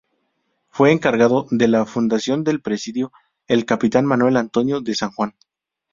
Fue encargado de la fundación del presidio el Capitán Manuel Antonio de San Juan.